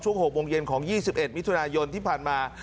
ช่วง๖มุมเย็นของ๒๑มิถุนายนที่ผ่านมา